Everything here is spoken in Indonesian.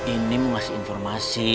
ini mau ngasih informasi